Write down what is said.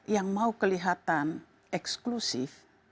yang mau kelihatan eksklusif